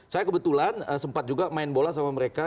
saya kebetulan sempat juga main bola sama mereka